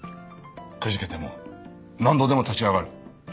くじけても何度でも立ち上がる。